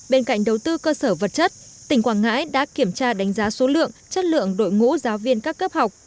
bên cạnh đầu tư cơ sở vật chất tỉnh quảng ngãi đã kiểm tra đánh giá số lượng chất lượng đội ngũ giáo viên các cấp học